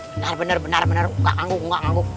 benar benar benar benar enggak ngangguk enggak ngangguk